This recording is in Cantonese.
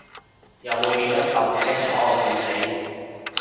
有無記得咁清楚，笑死